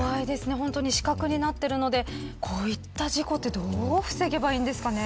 本当に死角になっているのでこういった事故ってどう防げばいいんですかね。